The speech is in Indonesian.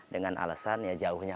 dengan alasan ya jauhnya